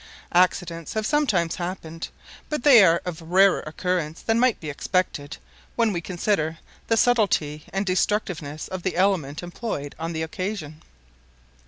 Accidents have sometimes happened, but they are of rarer occurrence than might be expected, when we consider the subtlety and destructiveness of the element employed on the occasion.